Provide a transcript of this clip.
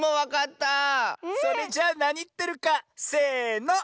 それじゃなにってるかせの。